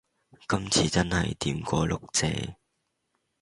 今次真係掂過碌蔗